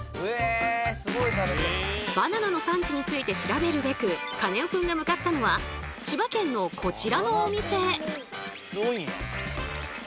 バナナの産地について調べるべくカネオくんが向かったのは千葉県のこちらのお店。